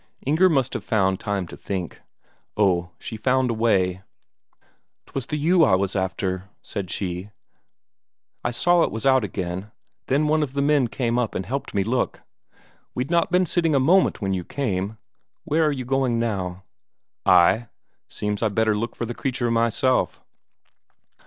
Inger must have found time to think. Oh, she found a way. "'Twas the ewe I was after," said she. "I saw it was out again. Then one of the men came up and helped me look. We'd not been sitting a moment when you came. Where are you going now?" "I? Seems I'd better look for the creature myself."